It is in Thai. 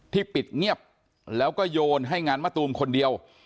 ปิดเงียบแล้วก็โยนให้งานมะตูมคนเดียว